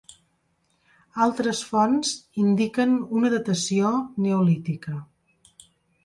Altres fonts indiquen una datació neolítica.